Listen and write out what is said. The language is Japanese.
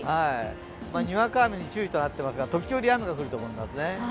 にわか雨に注意となっていますが時折、雨が降ると思いますね。